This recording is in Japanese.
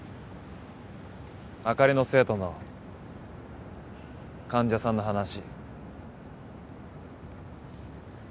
あかりの生徒の患者さんの話。